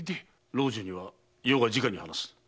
老中には余が直に話す。